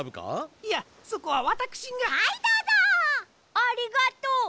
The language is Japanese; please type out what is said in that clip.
ありがとう！